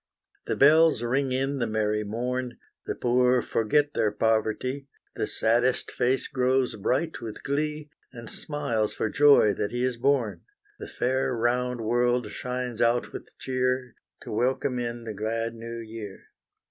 The bells ring in the merry morn, The poor forget their poverty, The saddest face grows bright with glee, And smiles for joy that he is born; The fair round world shines out with cheer, To welcome in the glad New Year.